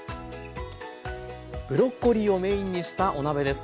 ブロッコリーをメインにしたお鍋です。